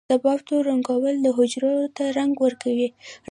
د بافتو رنگول حجرو ته رنګ ورکوي.